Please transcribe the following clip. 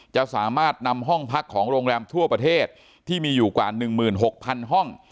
จะสามารถนำห้องพักของโรงแรมทั่วประเทศที่มีอยู่กว่า๑๖๐๐๐ห้อง